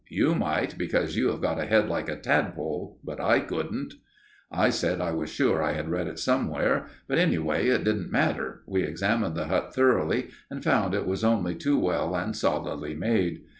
You might because you have got a head like a tadpole, but I couldn't." I said I was sure I had read it somewhere, but, anyway, it didn't matter. We examined the hut thoroughly, and found it was only too well and solidly made.